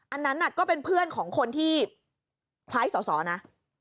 อันนั้นก็เป็นเพื่อนของคนที่คล้ายสอสอนะ